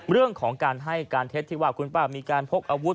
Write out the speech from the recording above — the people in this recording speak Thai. เรื่องของการให้การเท็จที่ว่าคุณป้ามีการพกอาวุธ